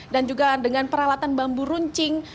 dan juga dengan peralatan bambu runcing